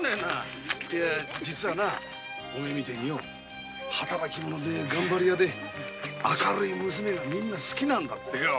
実はなお前みてぇによ働き者で頑張り屋で明るい娘がみんな大好きなんだってよ。